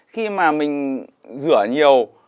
khi mà mình rửa nhiều